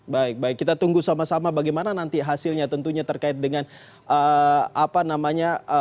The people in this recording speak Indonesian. baik baik kita tunggu sama sama bagaimana nanti hasilnya tentunya terkait dengan apa namanya